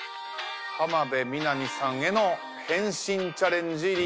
浜辺美波さんへの変身チャレンジ。